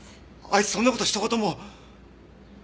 あいつそんな事ひと言も。